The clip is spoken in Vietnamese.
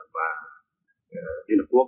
và liên hợp quốc